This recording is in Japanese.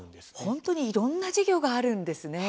本当にいろんな事業があるんですね。